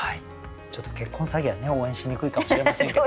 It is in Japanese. ちょっと結婚詐欺はね応援しにくいかもしれませんけど。